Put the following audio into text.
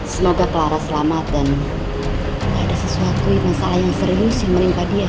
semoga clara selamat dan ada sesuatu masalah yang serius yang menimpa dia